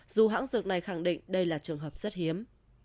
dù hãng dược này khẳng định đây là trường hợp rất hiếm